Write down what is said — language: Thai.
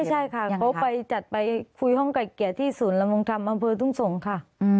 ใช่ค่ะเขาไปจัดไปคุยห้องไก่เกลียดที่ศูนย์ดำรงธรรมอำเภอทุ่งสงศ์ค่ะ